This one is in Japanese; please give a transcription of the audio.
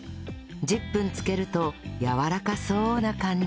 １０分漬けるとやわらかそうな感じに